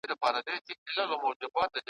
بې نصیبه له ارغنده پردی سوی له هلمنده ,